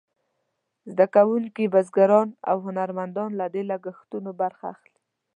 زده کوونکي، بزګران او هنرمندان له دې لګښتونو برخه اخلي.